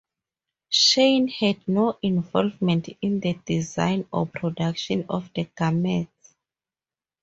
Shein had no involvement in the design or production of the garments.